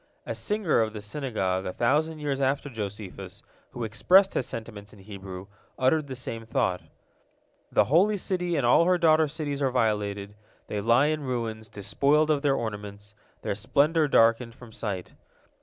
A singer of the Synagogue a thousand years after Josephus, who expressed his sentiments in Hebrew, uttered the same thought: "The Holy City and all her daughter cities are violated, they lie in ruins, despoiled of their ornaments, their splendor darkened from sight.